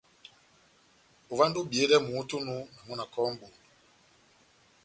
Ová ondi obiyedɛ momó tɛ́h onu, na mɔ́ na kɔ́hɔ́ mʼbondo.